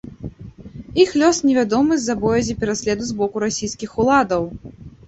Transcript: Іх лёс невядомы з-за боязі пераследу з боку расійскіх уладаў.